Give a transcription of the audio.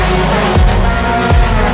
aku mau ngeliatin apaan